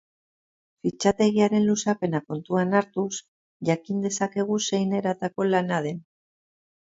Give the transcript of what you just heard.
Fitxategiaren luzapena kontutan hartuz, jakin dezakegu zein eratako lana den.